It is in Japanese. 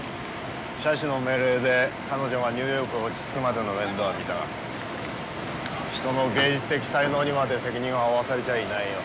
社主の命令で彼女がニューヨークに落ち着くまでの面倒は見たが人の芸術的才能にまで責任を負わされちゃいないよ。